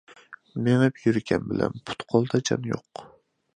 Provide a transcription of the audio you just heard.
مېڭىپ يۈرگەن بىلەن پۇت-قولدا جان يوق.